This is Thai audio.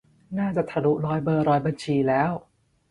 น่าจะทะลุร้อยเบอร์ร้อยบัญชีแล้ว